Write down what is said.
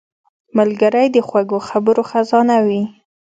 ملګری د خوږو خبرو خزانه وي